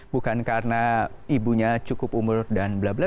bukan karena ibunya cukup umur dan bla bla